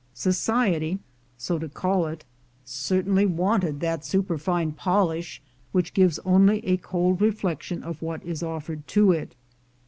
Society — so to call it — certainly wanted that super fine polish which gives only a cold reflection of what is offered to it.